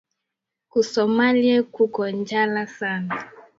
Ku somalie kuko njala sana